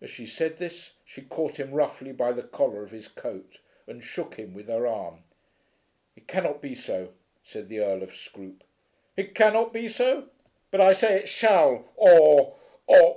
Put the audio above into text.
As she said this she caught him roughly by the collar of his coat and shook him with her arm. "It cannot be so," said the Earl Of Scroope. "It cannot be so! But I say it shall, or, or